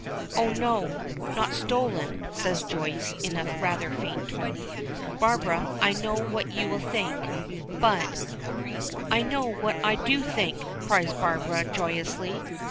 "Oh, no; not stolen," says Joyce, in a rather faint tone. "Barbara, I know what you will think, but " "I know what I do think!" cries Barbara, joyously.